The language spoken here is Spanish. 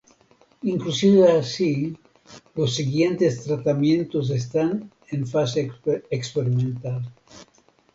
Inclusive así, los siguientes tratamientos están en fase experimental.